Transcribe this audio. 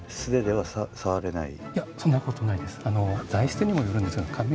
いやそんなことないです。